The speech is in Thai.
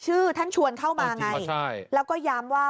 ชื่อท่านชวนเข้ามาไงใช่แล้วก็ย้ำว่า